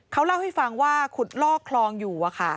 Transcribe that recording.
เขาเล่าให้ฟังว่าขุดลอกคลองอยู่